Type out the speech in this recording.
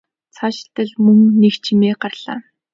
Цаашилтал мөн л нэг чимээ гарлаа.